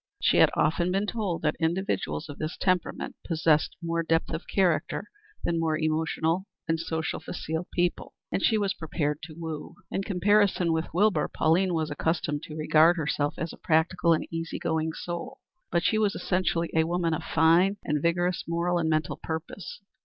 She had often been told that individuals of this temperament possessed more depth of character than more emotional and socially facile people, and she was prepared to woo. In comparison with Wilbur, Pauline was accustomed to regard herself as a practical and easy going soul, but she was essentially a woman of fine and vigorous moral and mental purpose.